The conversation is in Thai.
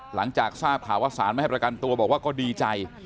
หลังจากทราบข่าวว่าสารไม่ให้ประกันตัวบอกว่าก็ดีใจ